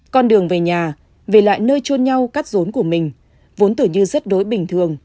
con đường về nhà về lại nơi trôn nhau cắt rốn của mình vốn tưởng như rất đối bình thường